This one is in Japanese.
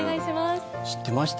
知ってました？